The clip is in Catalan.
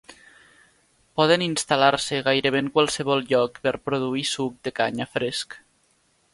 Poden instal·lar-se gairebé en qualsevol lloc per produir suc de canya fresc.